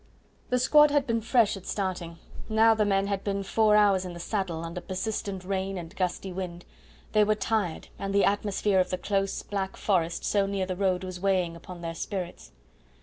The squad had been fresh at starting; now the men had been four hours in the saddle under persistent rain and gusty wind; they were tired, and the atmosphere of the close, black forest so near the road was weighing upon their spirits.